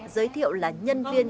giới thiệu là nhân viên